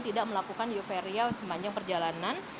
tidak melakukan euforia sepanjang perjalanan